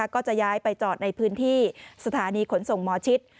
ก็จะย้ายไปจอดในพื้นที่สถานีขนส่งหมอชิด